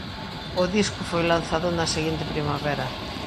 O disco foi lanzado na seguinte primavera.